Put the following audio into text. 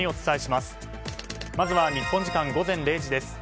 まずは日本時間午前０時です。